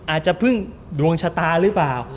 อาจจะพึ่งดวงชะตาหรือเปล่า